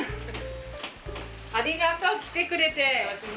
ありがとう来てくれて。